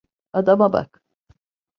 Adama bak.